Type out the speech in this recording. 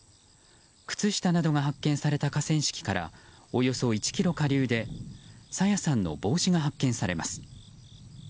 靴下などが発見された河川敷からおよそ１ｋｍ下流で朝芽さんの帽子が発見されます。